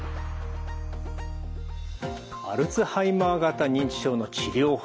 アルツハイマー型認知症の治療法。